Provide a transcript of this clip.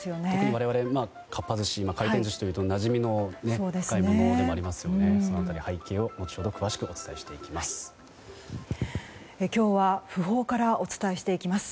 我々、かっぱ寿司回転寿司というとなじみ深いものでもありますからその辺り、背景を後ほど詳しくお伝えしていきます。